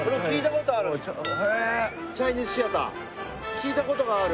聞いたことがある。